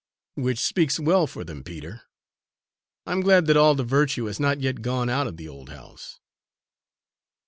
"Which speaks well for them, Peter. I'm glad that all the virtue has not yet gone out of the old house."